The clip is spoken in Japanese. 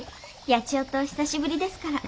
八千代とお久しぶりですから。